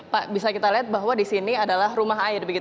pak bisa kita lihat bahwa di sini adalah rumah air